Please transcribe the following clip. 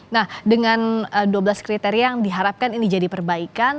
nah dengan dua belas kriteria yang diharapkan ini jadi perbaikan